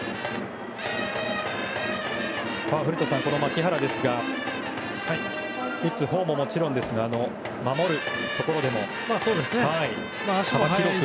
古田さん、牧原は打つほうももちろんですが守るところでも、幅広く。